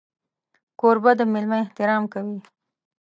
کوربه د مېلمه احترام کوي.